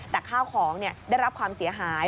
แต่ข้าวของได้รับความเสียหาย